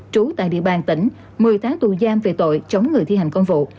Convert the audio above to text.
trú tại địa bàn tỉnh một mươi tháng tù giam về tội chống người thi hành công vụ